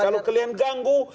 kalau kalian ganggu